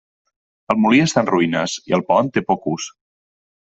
El molí està en ruïnes i el Pont té poc ús.